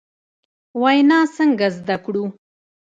وینا څنګه زدکړو ؟